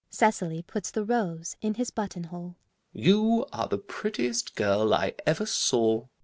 [Cecily puts the rose in his buttonhole.] You are the prettiest girl I ever saw.